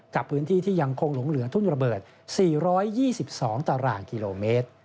กับพื้นที่ที่ยังคงหลงเหลือทุ่นระเบิด๔๒๒ตารางกิโลเมตร